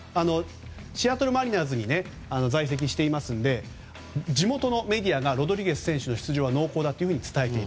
シアトル・マリナーズに在籍していますんで地元のメディアがロドリゲス選手の出場は濃厚だと伝えている。